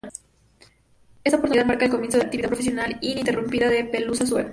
Esta oportunidad marca el comienzo de la actividad profesional ininterrumpida de Pelusa Suero.